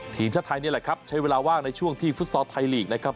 ทีมชาติไทยนี่แหละครับใช้เวลาว่างในช่วงที่ฟุตซอลไทยลีกนะครับ